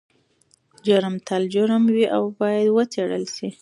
جرم تل جرم وي او باید وڅیړل شي.